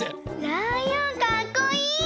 ライオンかっこいい！